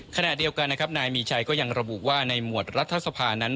ขณะเดียวกันนะครับนายมีชัยก็ยังระบุว่าในหมวดรัฐสภานั้น